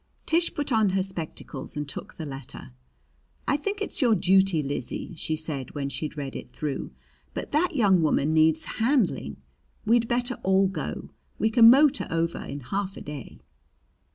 Tish put on her spectacles and took the letter. "I think it's your duty, Lizzie," she said when she'd read it through. "But that young woman needs handling. We'd better all go. We can motor over in half a day."